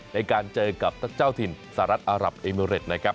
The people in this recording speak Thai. ในการเจอกับเจ้าถิ่นสหรัฐอารับเอมิเรตนะครับ